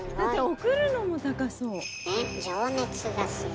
送るのも高そう。ね！